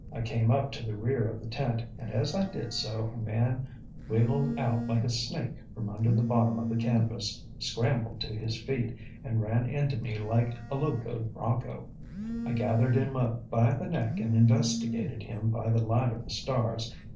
I came up to the rear of the tent, and, as I did so, a man wiggled out like a snake from under the bottom of the canvas, scrambled to his feet, and ran into me like a locoed bronco. I gathered him by the neck and investigated him by the light of the stars.